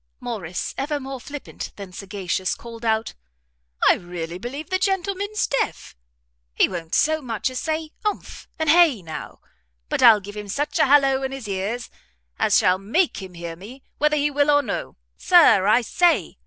Morrice, ever more flippant than sagacious, called out, "I really believe the gentleman's deaf! he won't so much as say umph, and hay, now; but I'll give him such a hallow in his ears, as shall make him hear me, whether he will or no. Sir! I say!"